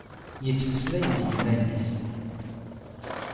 Ittmeslay d yiman-is.